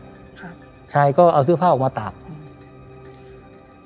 ครับชายก็เอาเสื้อผ้าออกมาตากอืม